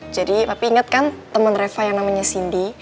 jadi papi ingat kan temen reva yang namanya cindy